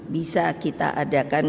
bisa kita adakan